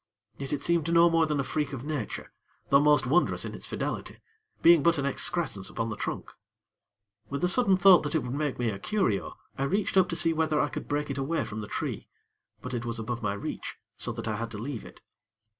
Yet it seemed no more than a freak of nature, though most wondrous in its fidelity; being but an excrescence upon the trunk. With a sudden thought that it would make me a curio, I reached up to see whether I could break it away from the tree; but it was above my reach, so that I had to leave it.